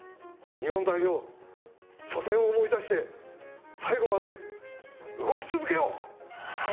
日本代表、初戦を思い出して最後まで動き続けよう！